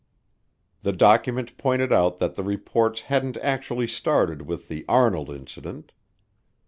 The document pointed out that the reports hadn't actually started with the Arnold Incident.